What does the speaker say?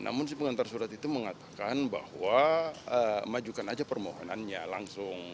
namun si pengantar surat itu mengatakan bahwa majukan aja permohonannya langsung